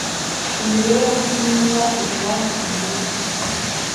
imibereho myiza, imibanire myiza